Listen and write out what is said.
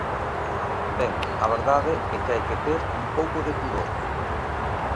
Ben, a verdade é que hai que ter un pouco de pudor.